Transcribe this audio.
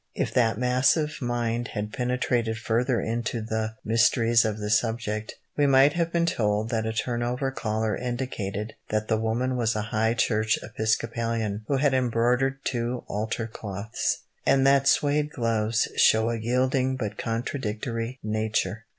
If that massive mind had penetrated further into the mysteries of the subject, we might have been told that a turnover collar indicated that the woman was a High Church Episcopalian who had embroidered two altar cloths, and that suède gloves show a yielding but contradictory nature.